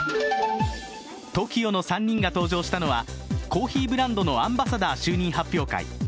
ＴＯＫＩＯの３人が登場したのはコーヒーブランドのアンバサダー就任発表会。